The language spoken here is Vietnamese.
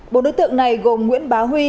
bộ đối tượng này gồm nguyễn bá huy